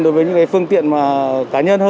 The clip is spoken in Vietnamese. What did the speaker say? đối với những cái phương tiện mà có những cái xe ưu tiên